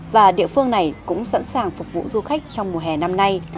và địa phương này cũng sẵn sàng phục vụ du khách trong mùa hè năm nay